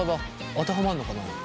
当てはまるのかな？